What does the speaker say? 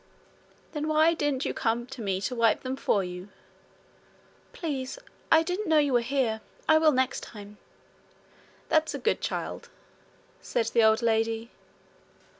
'Then why didn't you come to me to wipe them for you?' 'Please, I didn't know you were here. I will next time.' 'There's a good child!' said the old lady.